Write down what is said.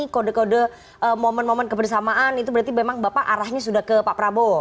kode kode momen momen kebersamaan itu berarti memang bapak arahnya sudah ke pak prabowo